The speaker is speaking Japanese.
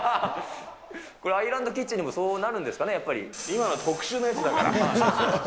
これ、アイランドキッチンにもそうなるんですかね、今は特殊メークだから。